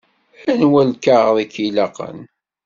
Anwa lkaɣeḍ i k-ilaqen?